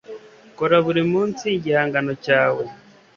Kora buri munsi igihangano cyawe.”